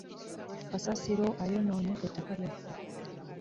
Kasasiro ayononye ettaka lyaffe.